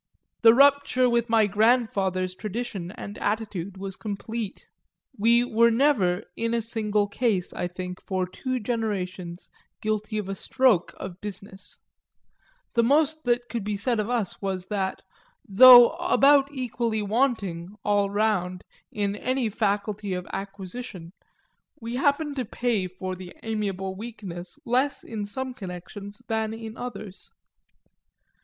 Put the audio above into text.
The rupture with my grandfather's tradition and attitude was complete; we were never in a single case, I think, for two generations, guilty of a stroke of business; the most that could be said of us was that, though about equally wanting, all round, in any faculty of acquisition, we happened to pay for the amiable weakness less in some connections than in others.